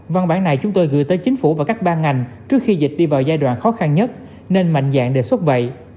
văn bản này chúng tôi gửi tới chính phủ và các ban ngành trước khi dịch đi vào giai đoạn khó khăn nhất nên mạnh dạng đề xuất vậy